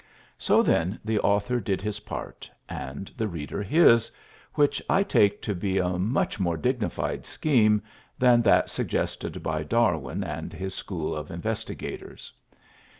So then the author did his part, and the reader his, which I take to be a much more dignified scheme than that suggested by Darwin and his school of investigators.